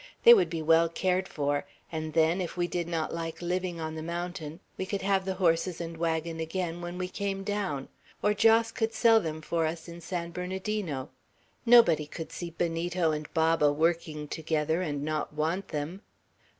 "They would be well cared for; and then, if we did not like living on the mountain, we could have the horses and wagon again when we came down, or Jos could sell them for us in San Bernardino. Nobody could see Benito and Baba working together, and not want them."